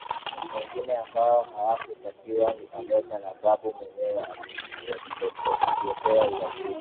Wengine ambao hawakutakiwa ni pamoja na Babu mwenyewe aliyepewa uwaziri